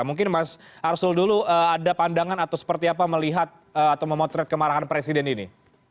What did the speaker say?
mungkin mas arsul dulu ada pandangan atau seperti apa melihat atau memotret kemarahan presiden ini